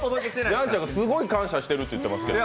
やんちゃんがすごい感謝していると言ってますけど？